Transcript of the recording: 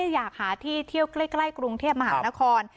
อยากหาที่เที่ยวใกล้กรุงเทพมหานคร